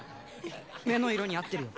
目の色に合ってるよ